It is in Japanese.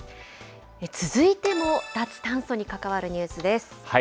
続いても脱炭素に関わるニュースです。